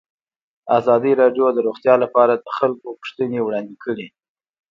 ازادي راډیو د روغتیا لپاره د خلکو غوښتنې وړاندې کړي.